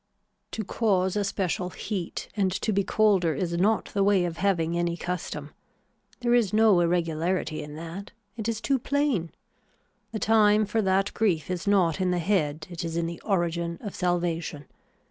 To cause a special heat and to be colder is not the way of having any custom. There is no irregularity in that. It is too plain. The time for that grief is not in the head it is in the origin of salvation.